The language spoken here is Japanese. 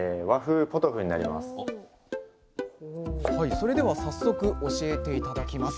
それでは早速教えて頂きます。